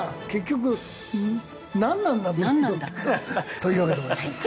というわけでございます。